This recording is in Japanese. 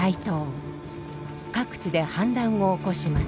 各地で反乱を起こします。